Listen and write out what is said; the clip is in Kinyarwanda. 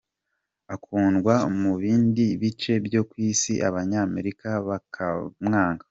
Akundwa mu bindi bice byo ku isi ,abanyamerika bakamwanga.